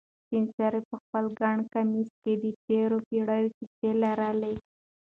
سپین سرې په خپل ګڼ کمیس کې د تېرو پېړیو کیسې لرلې.